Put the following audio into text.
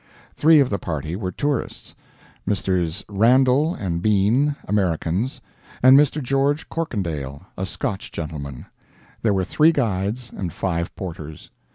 Three of the party were tourists; Messrs. Randall and Bean, Americans, and Mr. George Corkindale, a Scotch gentleman; there were three guides and five porters.